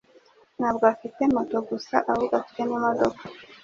Ntabwo afite moto gusa ahubwo afite n'imodoka.